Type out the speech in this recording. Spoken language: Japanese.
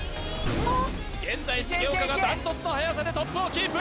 現在重岡が断トツの速さでトップをキープ！